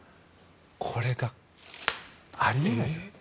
これが、あり得ないですよ。